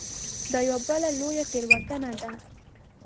دا یوه بله لویه تېروتنه ده.